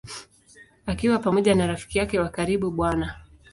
Akiwa pamoja na rafiki yake wa karibu Bw.